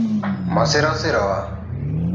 Masira osirowa